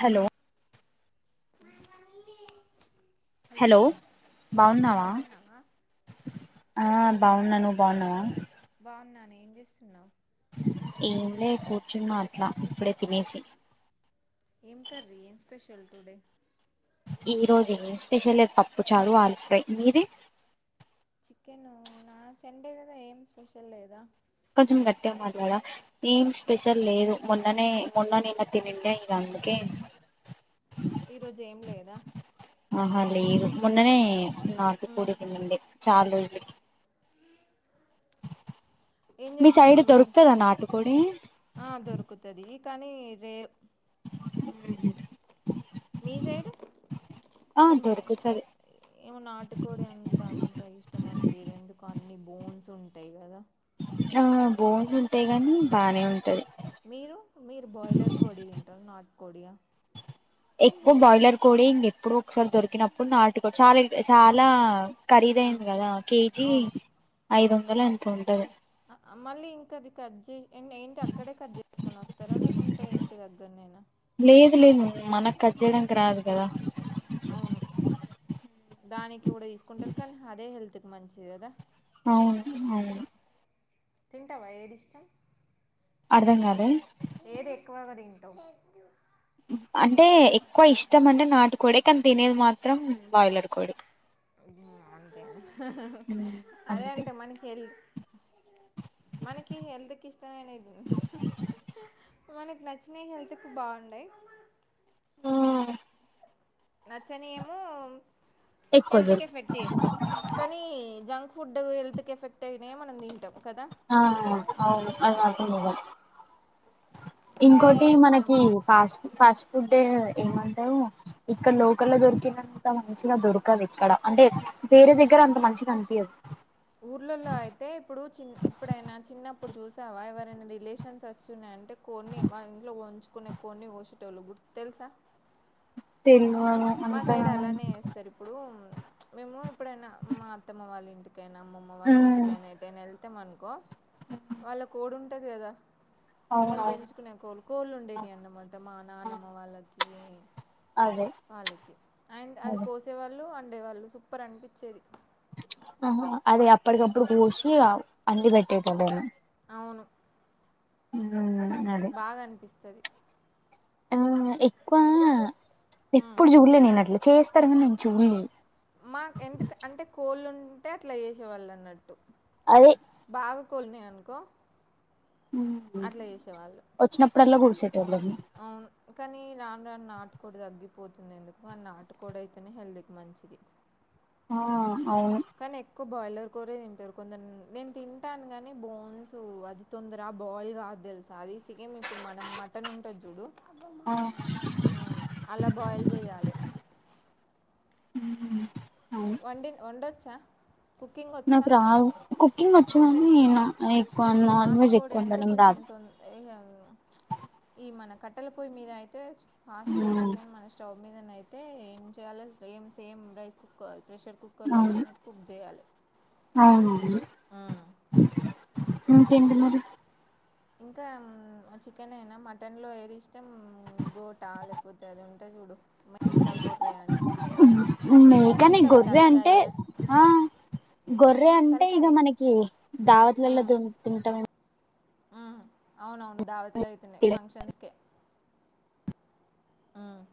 Hello hello బావున్నావ బాగున్నావా ఆ బాగున్నాను బాన్నావా బోన్నాను ఏం చేస్తున్నావ్ ఏంలే కూర్చున్నా అట్లా ఇప్పుడే తినేసి ఏం కర్రీ ఏం స్పెషల్ టుడే ఈ రోజు స్పెషలే పప్పు చారు ఆలు ఫ్రై మీది చికెను నా సండే కదా ఏం స్పెషల్ లేదా కొంచెం గట్టిగమాట్లాడారా ఏం స్పెషల్ లేదు మొన్ననే మొన్నేనా ఈమధ్య నిన్నే ఇక అందుకే ఈరోజు ఏం లేదా అహలేదు మున్ననే నాటు మ్మ్ కోడి తినుండే చాలు ఇ ఏం మీ సైడ్ చేస్తున్నావు మరి దొరుకుతదా నాటుకోడి ఆ దొరుకుతాది కానీ రే హ్మ్ మీ సైడు ఆ కానీ బో దొరుకుతది ఏమో నాటుకోడి ఎంత అంటే ఇష్టమ్మంపియదు ఎందుకు అన్ని బోన్స్ ఉంటైయ్ కదా ఆ బోన్స్ ఉంటాయి గాని బానే ఉంటది మీరు మీరు బోయిలర్ కోడి తింటారు నాటు కోడియ ఎక్కువ బాయిలర్ కోడి ఇంకెప్పుడొ ఒకసారి దొరికినప్పుడు నాటికో చాలా చాలా మ్మ్ ఖరీదైంది కదా కేజీ ఐదు వందలు ఎంతో ఉంటది ఆ మళ్ళీ ఇంకా అది కట్ చే ఏంటి అక్కడే కట్ చెంచుకుని వస్తారా లేకుంటే ఇంటి దగ్ లేదు లేదు మానక్ కట్ చేయడానికి రాదు కదా అవును దానికి కూడా తీసుకుంటారు కాన్ హాదే హెల్త్ కి మంచిది కదా అవున్ అవును తింటావా ఏది ఇష్టం అర్ధంకదా ఏది ఎక్కువగా తింటావ్ అంటే ఎక్కువ ఇష్టం అంటే నాటుకోడే కన్ తినేది మాత్రం బాయిలర్ కోడే హ్మ్ అంతే కదా ఉమ్, అదే అంతే అంట మనకి హెల్ మనకి హెల్త్ కి ఇష్టమైనది మనకి నచ్చినియ్ హెల్త్కు బాండై ఆ నచ్చని ఏమో ఎక్కువ హెల్త్కి దొరుకు ఎఫెక్ట్ చేస్తావ్ కానీ జంక్ ఫుడ్ హెల్త్కే ఎఫెక్ట్ ఐనియే మనం తింటాం కదా ఆ అవును అది హ్మ్. మాత్రం నిజం ఇంకా ఇంకోటి ఏమి ఇష్టం? మనకి ఫాస్ట్ హ్మ్. ఫాస్ట్ ఫుడే ఏమంటవు ఇక్కడ లోకల్ లో దొరికినంత మంచిగా దొరకవ్ ఇక్కడ అంటే వేరే దగ్గర అంత మంచిగా అనిపియద్ ఊర్లలో అయితే ఇప్పుడు చి ఎప్పుడైనా చిన్నప్పుడు చూసావా ఎవరైనా రిలేషన్స్ ఓచ్చిన్నాయంటే కోడ్నీ మనింట్లో ఉంచుకునే కోడ్నీ కొసేటోళ్ళు గుర్ తెలుసా తెలు మా అంత సైడ్ అలానే ఏస్తారు ఇప్పుడు మేము ఇప్పుడైనా మా అత్తమ్మ వాళ్ళ ఇంటి కైనా అమ్మమ్మ వాళ్ళ ఉమ్ ఇంటికైనా ఏటైనా ఎళ్తమనుకో వాళ్ళ కోడి ఉంటది కదా వాళ్ళు అవునవును పెంచుకునే కోళ్ళు కోళ్ళు ఉండేటియి అన్నమాట మా నానమ్మ వాళ్ళకి అవే వాళ్ళకి అంద్ అది కోసేవాళ్ళు వండేవాళ్ళు సూపర్ అనిపించేది ఆహా అదే అప్పటికప్పుడు కోసిగ అండి పెట్టేటోళ్ళేను అవును ఉ బాగా అనిపిస్తది ఆ ఎక్కువ ఉమ్. ఎప్పుడు చూడలే నేను అట్లా చేస్తారు కన్ నేన్ చూడ్లే మాకేంటక్ అంటే కోళ్ళు ఉంటే అట్లా చేసేవాళ్ళన్నట్టు అది కోల్ని అనుకో ఉమ్ అట్లా చేసేవాళ్ళు యమ్మది అవును. కానీ రాన్ రాన్ నాటు కోడి తగ్గిపోతుంది ఎందుకు అ నాటకోడయితేనే హెల్త్కి మంచిది ఆ అవును కానీ ఎక్కువ బాయిలర్ కోరే తింటారు కొందరు నేన్ తింటానుగాని బోన్స్ అది తొందర బాయిల్గా దేలుసా అది సికేన్ ఇప్పుడు మనం మటన్ ఉంటది చూడు ఆ అలా బాయిల్ జెయాలె ఉహ్మ్ వండిన్ వండొచ్చా కుకింగ్ వచ్చా ఏమో చున్నీయాలా అదేక్ నాటుకోడి అంటే కొంచెం తొం ఈ మన కట్టల పొయ్యి మీద అయితే ఫాస్ట్గ అయితుందిగాని మన స్టవ్ మీదన అయితే ఏం చేయాలి సేమ్ సేమ్ రైస్ కుక్క ప్రెషర్ కుక్కర్లో అవును వేసినట్టు కుక్ జెయాలె ఇంకేంటి మరీ ఇంకా చికెనెనా మటన్ లో ఏది ఇష్టం బోటాలె కొద్ అది ఉంటే చూడు మేకా గొర్రె అని మేకనె తింటావా గొర్రె అంటే తలకాయ ఆ గొర్రె తిన్ అంటే ఇగ తలకాయ మనకి దావతులలో ది తింట ఉ అవునవును దావత్లయితేనె ఫంక్షన్స్కే ఉమ్.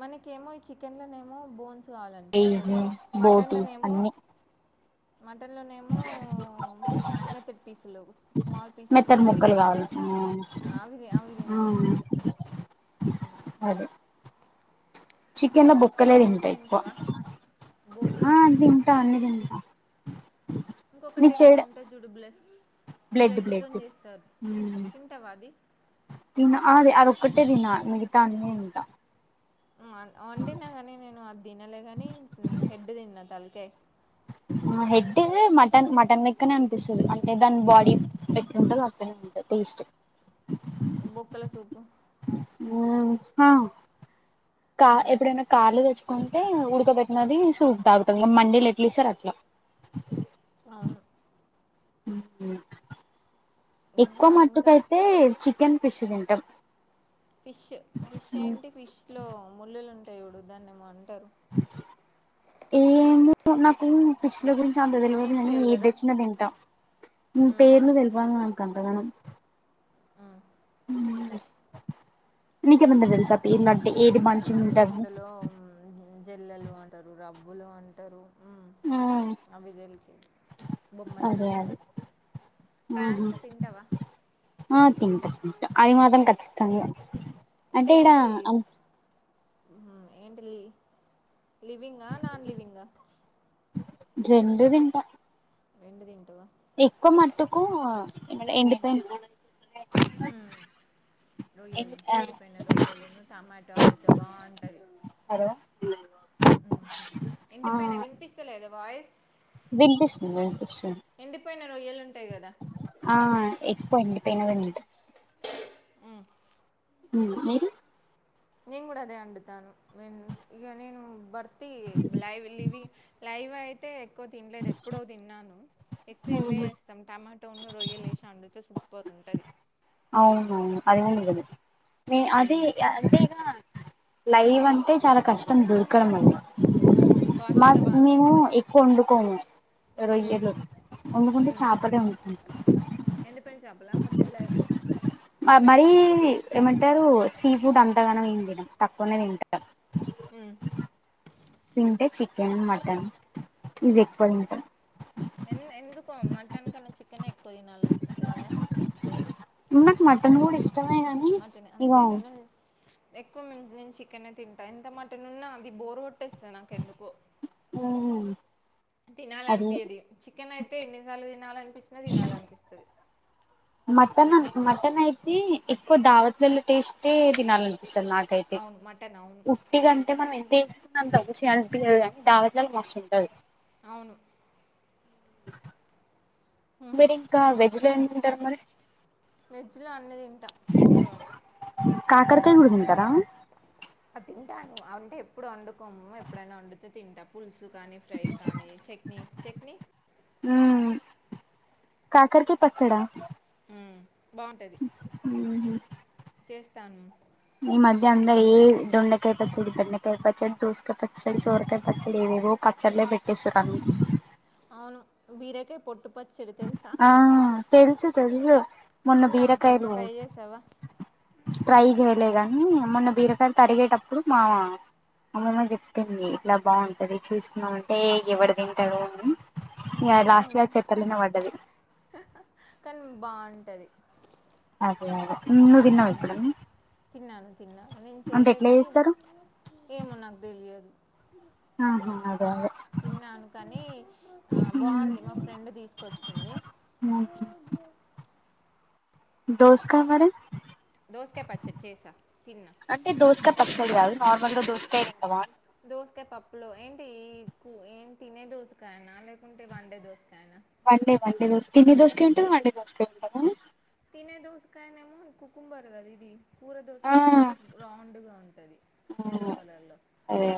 మనకెమో ఈ చికెన్ లనేమో బోన్స్ కావాలనిపిస్తంది బోటి మటన్లనేమో అన్ని మటన్లనేమో మెత్తటి పీసులు స్మాల్ పీసెస్ మెత్తటి ఉంటాయి ముక్కలు చూడు కావాలి అవిది అవి తినాలనిపిస్తయ్ అదే చికెన్ ల బొక్కలే బోటి తింటా ఎక్కువ తింటావా బోటి నీ ఇంకొకటమో చెడ ఉంటదిజుడు బ్లె బ్లడ్ బ్లడ్ బ్లెడ్డుతోని చేస్తారు ఉమ్ తింటావా అది తిన ఆది అదొక్కటే దిన మగితా అన్ని తింటా ఉం వ వండినా గాని నేను అది తినలేగాని హెడ్ తిన్నా తలకే అ హెడ్ మటన్ మటన్ లెక్కనే అనిపిస్తది అంటే దాని బాడీ అవును ఎట్లుంటదో బాగుంట టేస్ట్ బొక్కల సూపు కా ఆ, ఎప్పుడైన్న కార్లో తెచ్ అంటే ఉడకబెట్టినది సూప్ తాగుతం మండీలు ఎట్ల ఇస్తారో అట్లా ఆ ఎక్కువ ఇంకా ఇంకా మట్టుకైతే చికెన్ ఫిష్ తింటం ఫిష్ ఫిష్ ఏంటి ఫిష్ లో ముళ్ళలు ఉంటాయి చూడు దన్నేమో అన్ ఏమో నాకు ఫిష్ గురించి అంత తెలువదు నేమ్స్ గాని తెల్వదా కదా ఏదెచ్చిన తింటా ఉమ్, పేర్లు తెలిపాను గంతగనం ఉమ్. నీకేమన తెల్సా పేర్లు ఏది అంటే మంచిగుంటది ఇందులో జల్లలు అంటారు రబ్బులు అంటారు అవి తెలిచి బొమ్మలాంటారు ఆహ ఆ తింటా తింటా అది మాత్రం ఖచ్చితంగా అంటే ఏంటి ఏంటి లి లివింగా నాన్ లివింగా రెండు తింటా రెండు తింటవా ఎక్కువ మట్టుకు ఎండిపోయి ఉ రొయ్యలు ఆ ఎండిపోయిన రొయ్యలును టమాటో వండితే బాగుంటది హలో ఆ ఇంటిపైనా వినిపిస్తలేదు వినిపిస్తుంది వినిపిస్తు ఎండిపోయిన రొయ్యలు ఉంటాయి కదా ఆ ఎకువండి పెన వేదాన్ట ఉ ఉ మీరు నేను కూడా అదే అండుతాను నిను ఇగ నిను బర్ లైవ్ లివింగ్ లైవ్ అయితే ఎక్కువ తినలేదు ఎప్పుడో తిన్నాను ఎక్కువ ఇవ్వే వేస్తాం టమాటోన్న రొయ్యలే వేసి వండితే సూపర్ ఉంటది అవును అది గూడ నిజమే ఉ అదే ఉమ్ అదేగ లైవ్ అంటే చాలా కష్టం దొరకడం అండి కాస్ట్ మా కూడా స్ బాగానే మేము ఉంటది వచ్చు ఎక్కువ వండుకోము ఉమ్ రొయ్యలు వండుకుంటే చాపలే వండుకుంటం ఎండి పోయిన చాపల మొట్టి లె మ మరీ ఏమంటారు సీ ఫుడ్ అంతగనం ఎం తినం తక్కువనే తింటం ఉ తింటే చికెన్ మటన్ ఇవి ఎక్కువ తింటాం ఎన్ ఎందుకో మటన్ కన్నా చికెనే ఎక్ ఎక్కువ తినాలనిపిస్తది కదా నాకు మటన్ కూడా ఇష్టమే గాని మటన్ ఇగ అంతేనా నేను ఎక్కువ మేం నేను చికెనే తింటా ఎంత మటన్ ఉన్న అది బోర్ కోట్ కొట్టేస్తా నాకెందుకొ అది తినాలనిపింయాది చికెన్ అయితే ఎన్నిసార్లు తినాలనిపించినా తినాలనిపిస్తది మటన్ మటన్ అయితే ఎక్కువ దావతులలో టేస్టే తినాల పిస్తది నాకైతే అవును మటన్ అవును ఉట్టి కంటే మన ఇన్ తీసుకుందాం అంత మంచిగా అనిపియదు గాని దావతల్లో మస్త్ ఉంటది అవును మీరి ఇంకా వెజ్లో ఏం తింటారు మరి? వెజ్ లో అన్నీ తింటా ఒక కాకర్కాయ కూడా తిన్టారా? అ తింటాను అంటే ఎప్పుడు వండుకోము ఎప్పుడైనా వండుతే తింటా పులుసు ఉత్తు కానీ ఫ్రై కానీ చట్నీ చట్నీ కాకర్కాయ పచ్చడా బావుంటది చేస్తాను. ఇది అందరి ఏ దొండకాయ పచ్చడి, బెండకాయ పచ్చడి, దోసకాయ పచ్చడి, సోరకాయ పచ్చడి ఏవేవో పచ్చడలే పెట్టేశరన్ మీకి అవును బీరకాయ్ పొట్టు పచ్చడి తెలుసా? ఆ తెలుసు తదియొ మొన్న తిన్నాం ఎప్పుడైనా బీరకాయలె ట్రై చేసావా ట్రై చేయలే గాని మొన్న బీరకాయ తన్ తరిగేటప్పుడు మావ అమమ్మ చెప్పింది ఇట్లా బావుంటది చూసుకున్నామంటే ఎవడు తింటారు అని ఇగ అవి మనకు లాస్ట్య న- చెప్ కానీ హ్హ్ కానీ బావుంటది. నువ్ తిన్న ఎప్పుడన్నా? తిన్నాను తిన్నాను నేను అంటే చేయలే ఎట్లా గాని చేస్తారు ఏమో నాకు తెలియదు. ఆహ తిన్నాను కానీ ఆ బావుంది మా ఫ్రెండ్ తీసుకొచ్చింది. [unintelligible] దోసకాయ మరి దోసకాయ్ పచ్చడి చేసా తిన్నా ఇప్పుడు కాదు నార్మంద దోస్తా ఇతవా దోసకాయ పప్పులో ఏంటి కు ఏం తినే దోశకాయనా, లేకుంటే వండే దోశకాయనా? వండే వండే దోశ తినే దోశకాయ్ ఉంటద, వండే దోసకాయ్ ఉంటద? తినే దోసకాయ నెమో కుకుంబర గా ఇది కూర ఆ దోసకాయ అనేది ర్రౌండ్గా ఉంటది ఎల్లో కలర్ లో అదే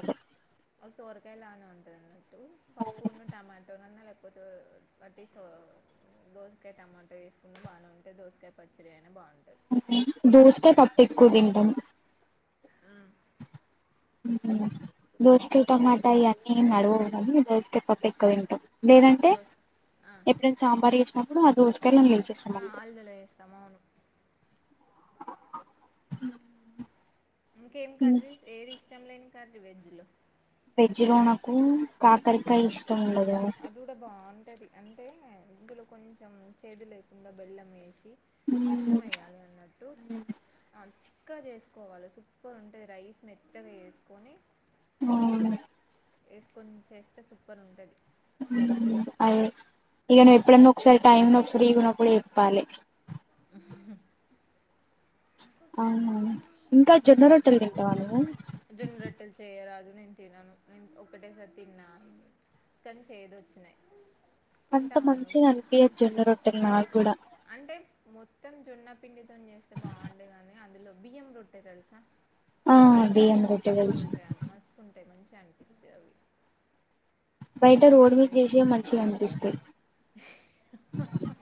సోరకాయ లానే ఉంటది అన్నట్టు పప్పున్న టమాటోన్న లే వదు వాటిపో దోసకాయ టమాటో వేసుకుని బానేం దోసకాయ్ పచ్చరేన బాన్ అంతేనా దోసకాయ పప్పు ఎక్కువ తింటాం. ఉహు దోసకాయ్ టమాటా ఇవన్నీ నడవం గాని దోసకాయ్ పప్పు ఎక్కువ తింటాం. లేదంటే దోస ఆ, ఎప్పుడైనా సాంబార్ ఏసినప్పుడు అదోస్ తెలన్లు ఏసెస్తాం ఆ, అంతే ఆలుగడ్డలో వేస్తాం అవును ఇంకేం కర్రీ ఏది ఇష్టం లేని కర్రీ వెజ్లో? జిరోణకు కాకరిక ఇష్ అది కూడా బా అంటేది అంటే ఇందులో కొంచెం చేదు లేకుండా బెల్లం వేసి కొంచమైయాలి అన్నట్టు ఆ ఇంక చేసుకోవాలి సూపర్ ఉంటది రైస్ మెత్తగా చెసుకొని అవును వేసుకొని చేస్తే సూపర్ ఉంటది. మ్ అయ్యే ఇగ నువ్వు ఎప్పుడన్నా ఒకసారి టైం నువ్వు ఫ్రీగా ఉన్నపుడు చెప్పాలే. అవునవును ఇంకా జొన్న రోట్టెలు తింటావా నువ్వు. జొన్న రొట్టెలు చేయరాదు నేను తినను నేను ఒకటేసారి తిన్న కానీ చేదు వచ్చినాయి. అంత తింటావా నువ్వు మంచిగాన్పియదు జొన్న రొట్టెలు నాకుగూడ. అంటే మొత్తం జొన్నపిండితోని చేస్తే బాగుంటాయీ కానీ అందులో బియ్యం రొట్టే తెలుసా. ఆ బియ్యం రొట్టె తెలుసు. రోట్టే మంచిగానిపిస్తాయీ అవి. బయట సన్నంగా రోడ్ మీద చేసేవి మంచిగానిపిస్తాయి. ఆహ్.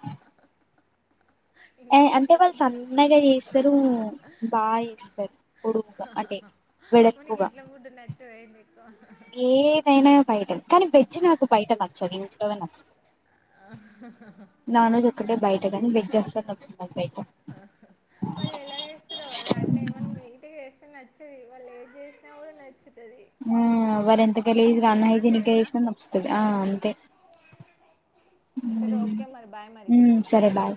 ఏ ఇంట్లా అంటే వాళ్ళు చేసేటివేమో సన్నగా చేస్తారు బాగా చేస్తారు పొడువుగా హ అంటే హ. మనకి వెడల్పుగా ఇంట్లో ఫుడ్డు నచ్చదా ఏమి ఎక్కువ. ఏదైనా బయటనే కానీ వెజ్ నాకు బయట నచ్చదు ఇంట్లోనే నచ్చుతది. ఆహ్ ఆహ్ హ్. బయట కానీ బేక్ చేస్తా [unintelligible] మళ్ళ ఎలా చేస్తున్నావు కదా అన్నేమో మనం ఇంటికి చేస్తేమో నచ్చ. నాచ్చది వాళ్ళు ఏది చేసిన కూడా నచ్చు. ఆహ్ వాళ్లు ఎంత గలీజ్గా అన్ అంతే హైజెనిక్ గా కదా చేసినా నచ్చుతది ఆహ్ అంతే. ఆహ్ సరే ఉమ్ ఓకే మరి బాయ్ మరి. ఉమ్ సరే బాయ్